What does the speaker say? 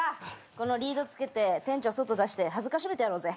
このリードつけて店長外出して辱めてやろうぜ。